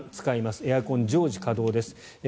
エアコン常時稼働です。